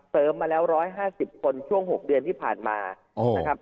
เสริมมาแล้วร้อยห้าสิบคนช่วงหกเดือนที่ผ่านมานะครับ